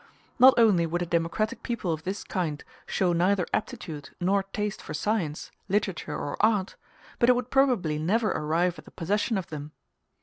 Not only would a democratic people of this kind show neither aptitude nor taste for science, literature, or art, but it would probably never arrive at the possession of them.